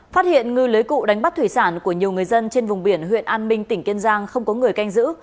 phát hiện ngư lưới cụ đánh bắt thủy sản của nhiều người dân trên vùng biển huyện an minh tỉnh kiên giang không có người canh giữ